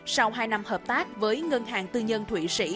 sau hai năm hợp tác với ngân hàng thương mại cổ phần quân đội